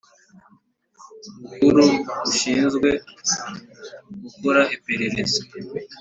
Bukuru rushinzwe gukora iperereza